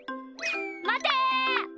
まて！